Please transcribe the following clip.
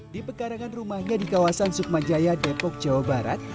di pekarangan rumahnya di kawasan sukmajaya depok jawa barat